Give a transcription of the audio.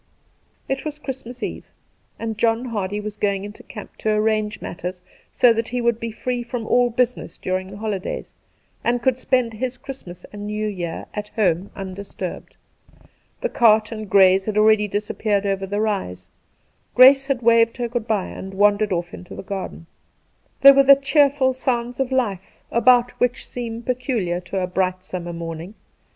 It was Christmas Eve, and John Hardy was going into camp to arrange matters so that he would be free from all business during the holi days and could spend his Christmas and New Year at home undisturbed. The cart and grays had already disappeared over the rise. G race had waved her good bye and wandered off into the garden. There were the cheerful sounds of life about which, seem peculiar to a bright summer morning.